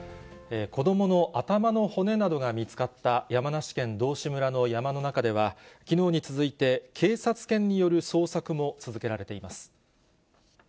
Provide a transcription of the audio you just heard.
子どもの頭の骨などが見つかった、山梨県道志村の山の中では、きのうに続いて、警察犬による捜索も続けられています。